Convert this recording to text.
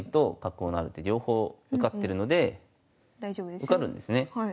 受かるんですね。